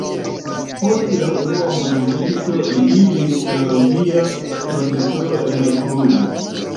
Post la unua mondmilito li iĝis teologia profesoro en Kluĵo.